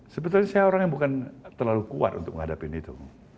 sebetulnya saya orang yang bukan terlalu kuat untuk menghadapi itu